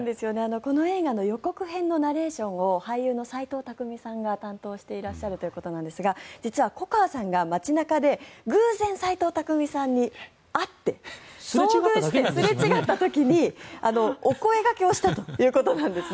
この映画の予告編のナレーションを俳優の斎藤工さんが担当していらっしゃるということなんですが実は粉川さんが街中で偶然、斎藤工さんに会って遭遇してすれ違った時にお声掛けをしたということなんですね。